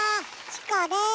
チコです。